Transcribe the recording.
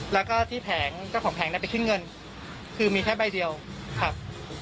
แล้วก็ที่แผงก็ของแผงนั้นเป็นคริ่งเงินคือมีแค่ใบเดียวครับ